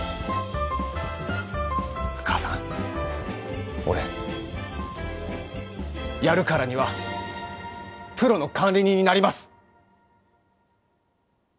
母さん俺やるからにはプロの管理人になります。